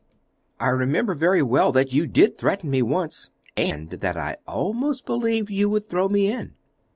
"I remember very well that you did threaten me once, and that I almost believed that you would throw me in."